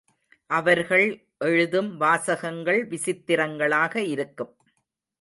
அவர்கள் எழுதும் வாசகங்கள் விசித்திரங்களாக இருக்கும்.